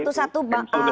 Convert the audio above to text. satu satu mas umam